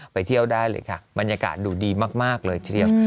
ไปเที่ยวได้เลยค่ะบรรยากาศดูดีมากเลยทีเดียว